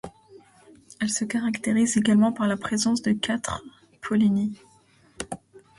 Elles se caractérisent également par la présence de quatre pollinies.